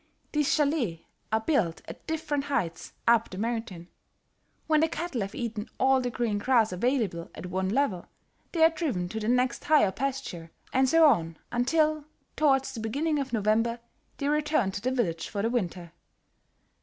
These chalets are built at different heights up the mountain; when the cattle have eaten all the green grass available at one level they are driven to the next higher pasture and so on until, towards the beginning of November, they return to the village for the winter.